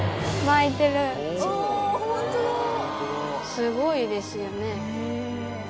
すごいですよね。